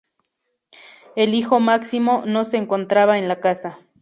El hijo Máximo, no se encontraba en la casa.